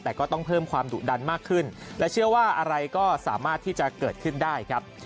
แต่ก็ต้องเพิ่มความดุดันมากขึ้นและเชื่อว่าอะไรก็สามารถที่จะเกิดขึ้นได้ครับ